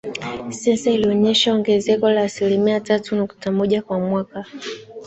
Sensa iliyoonyesha ongezeko la asilimia tatu nukta moja kwa mwaka